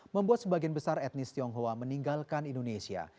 membuat sebagian besar etnis tionghoa meninggalkan indonesia